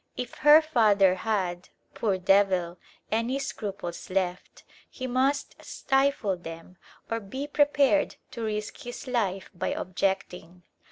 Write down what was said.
If her father had, poor devil, any scruples left, he must stifle them or be prepared to risk his life by objecting.